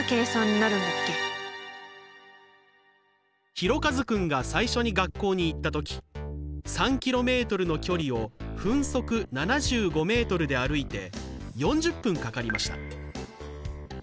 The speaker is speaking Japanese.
ひろかずくんが最初に学校に行った時３ｋｍの距離を分速７５ｍで歩いて４０分かかりました。